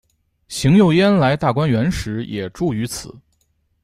邢岫烟来大观园时也住于此。